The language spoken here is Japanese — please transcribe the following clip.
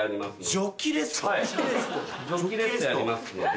ジョッキレストやりますので。